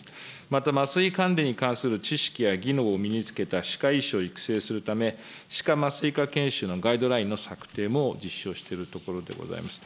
また麻酔関連に関する知識や技能を身につけた歯科医師を育成するため、歯科麻酔科健診のガイドラインの策定も実施をしているところでございます。